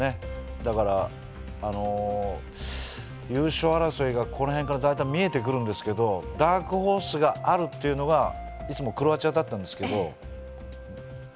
だから優勝争いがこの辺から大体見えてくるんですけどダークホースがあるっていうのがいつもクロアチアだったんですけど。